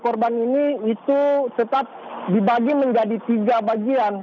korban ini itu tetap dibagi menjadi tiga bagian